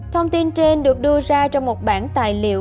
thông tin trên được đưa ra trong một bản tài liệu